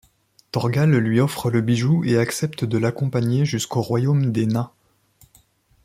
Thorgal lui offre le bijou et accepte de l’accompagner jusqu’au royaume des nains.